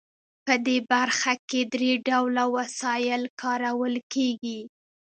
په دې برخه کې درې ډوله وسایل کارول کیږي.